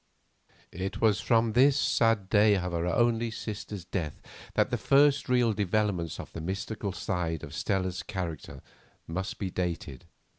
It was from this sad day of her only sister's death that the first real developments of the mystical side of Stella's character must be dated.